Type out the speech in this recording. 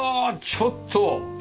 ちょっと！